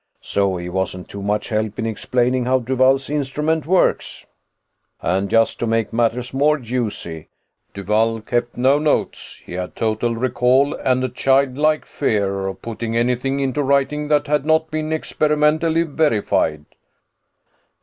So he wasn't too much help in explaining how Duvall's instrument works. "And, just to make matters more juicy, Duvall kept no notes. He had total recall and a childlike fear of putting anything into writing that had not been experimentally verified."